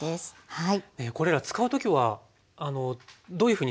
はい。